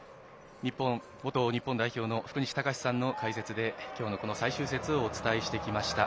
元日本代表の福西崇史さんの解説で今日の最終節をお伝えしてきました。